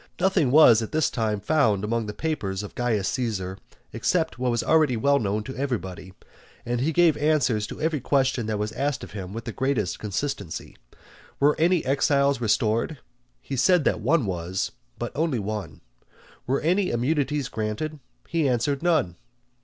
Nothing was at that time found among the papers of Caius Caesar except what was already well known to everybody, and he gave answers to every question that was asked of him with the greatest consistency. Were any exiles restored? He said that one was, and only one. Were any immunities granted? He answered, None.